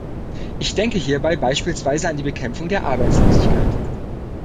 Ich denke hierbei beispielsweise an die Bekämpfung der Arbeitslosigkeit.